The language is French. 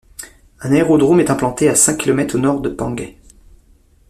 Un aérodrome est implanté à cinq kilomètres au nord de Pangai.